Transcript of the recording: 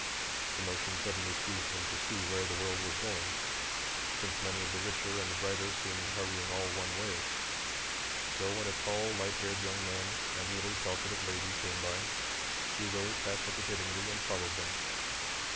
The notion suddenly seized him to see where the world was going; since many of the richer and brighter seemed hurrying all one way. So when a tall, light haired young man and a little talkative lady came by, he rose half hesitatingly and followed them.